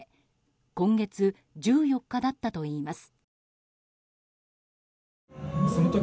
今月１４日だったといいます。